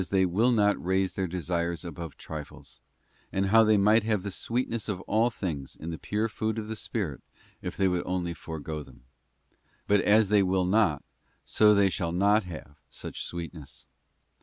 they will not raise up their desires above trifles, and how they might have the sweetness of all things in the pure food of the Spirit if they would only forego them. But as they will not, so they shall not have such sweetness.